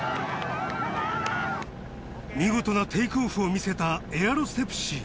見事なテイクオフを見せたエアロセプシー。